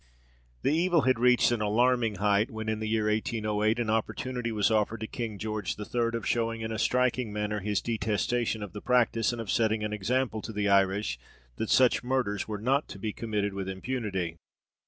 The evil had reached an alarming height, when, in the year 1808, an opportunity was offered to King George III. of shewing in a striking manner his detestation of the practice, and of setting an example to the Irish that such murders were not to be committed with impunity.